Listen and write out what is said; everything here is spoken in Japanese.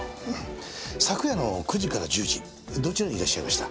昨夜の９時から１０時どちらにいらっしゃいました？